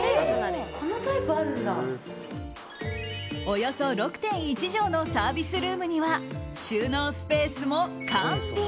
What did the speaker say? およそ６．１畳のサービスルームには収納スペースも完備。